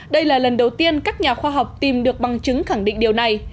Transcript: đây là lần đầu tiên các nhà khoa học tìm được bằng chứng khẳng định điều này